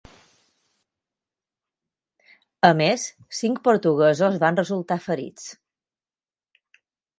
A més, cinc portuguesos van resultar ferits.